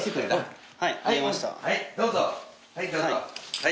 はい。